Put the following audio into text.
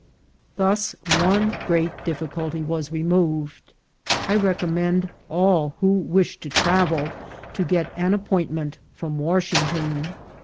Thus one great difficulty was removed. I recommend all who wish to travel to get an appointment from Washington.